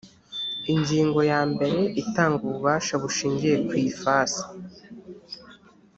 ingingo yambere itanga ububasha bushingiye ku ifasi